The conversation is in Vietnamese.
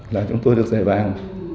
là chúng tôi được giải bàn